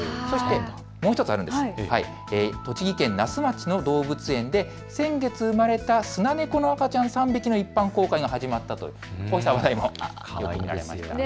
そしてもう１つ、栃木県那須町の動物園で先月生まれたスナネコの赤ちゃん３匹の一般公開が始まったという話題です。